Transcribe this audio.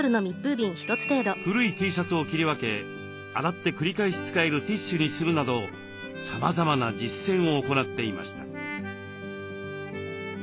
古いＴシャツを切り分け洗って繰り返し使えるティッシュにするなどさまざまな実践を行っていました。